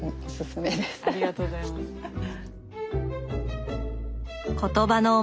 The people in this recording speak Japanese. ありがとうございます。